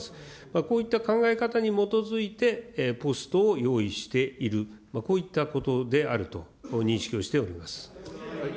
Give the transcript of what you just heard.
こういった考え方に基づいて、ポストを用意している、こういったことであると認識をしております。